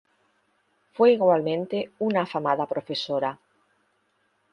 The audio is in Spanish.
Fue igualmente una afamada profesora.